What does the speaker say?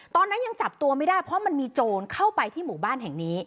ตอนนั้นยังจับตัวไม่ได้เพราะมันมีโจรเข้าไปที่หมู่บ้านแห่งนี้